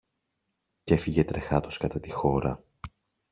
Κι έφυγε τρεχάτος κατά τη χώρα.